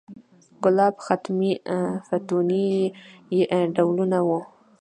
ګلاب، ختمي، فتوني یې ډولونه و.